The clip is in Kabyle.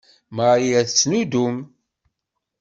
Marie ad tennuddem.